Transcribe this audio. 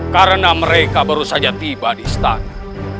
karena mereka baru saja tiba di istana